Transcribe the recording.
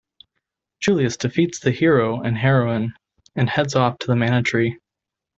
Julius defeats the hero and heroine, and heads off to the Mana Tree.